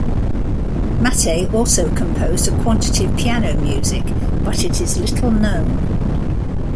Matthay also composed a quantity of piano music but it is little known.